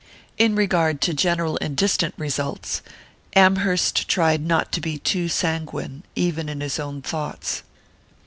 In regard to general and distant results, Amherst tried not to be too sanguine, even in his own thoughts.